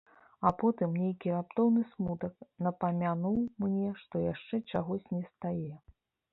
А потым нейкі раптоўны смутак напамянуў мне, што яшчэ чагось на стае.